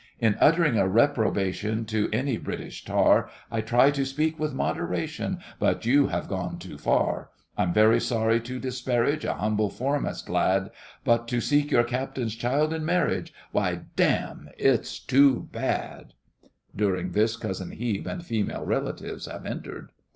In uttering a reprobation To any British tar, I try to speak with moderation, But you have gone too far. I'm very sorry to disparage A humble foremast lad, But to seek your captain's child in marriage, Why damme, it's too bad [During this, COUSIN HEBE and FEMALE RELATIVES have entered.